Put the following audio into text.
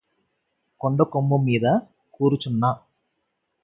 కొండకొమ్ము మీద కూరుచున్న